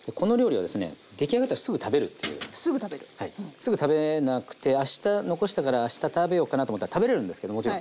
すぐ食べなくてあした残したからあした食べようかなと思ったら食べれるんですけどもちろん。